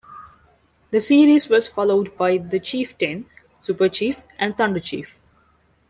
This series was followed by the Chieftain, Superchief, and Thunderchief.